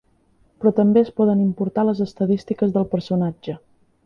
Però també es poden importar les estadístiques del personatge.